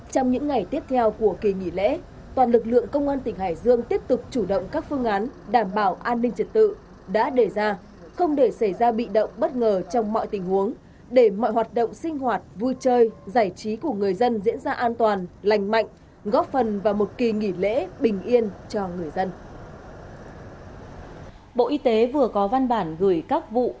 trong những ngày tiếp theo của kỳ nghỉ lễ toàn lực lượng công an tỉnh hải dương tiếp tục chủ động các phương án đảm bảo an ninh trật tự đã đề ra không để xảy ra bị động bất ngờ trong mọi tình huống để mọi hoạt động sinh hoạt vui chơi giải trí của người dân diễn ra an toàn lành mạnh góp phần vào một kỳ nghỉ lễ bình yên cho người dân